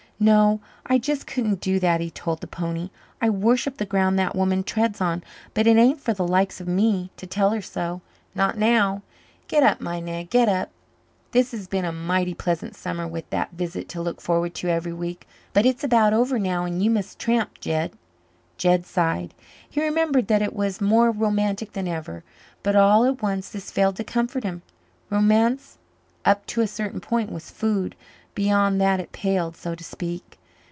"No, I just couldn't do that," he told the pony. "I worship the ground that woman treads on, but it ain't for the likes of me to tell her so, not now. Get up, my nag, get up. This has been a mighty pleasant summer with that visit to look forward to every week. But it's about over now and you must tramp, Jed." Jed sighed. He remembered that it was more romantic than ever, but all at once this failed to comfort him. Romance up to a certain point was food; beyond that it palled, so to speak.